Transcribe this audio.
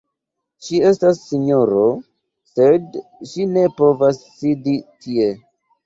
Ŝi estas, sinjoro, sed ŝi ne povas sidi tie.